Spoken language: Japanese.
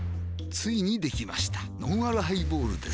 ついにできましたのんあるハイボールです